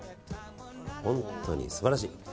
本当に素晴らしい。